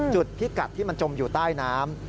จุดที่กัดที่มันจมอยู่ใต้น้ำ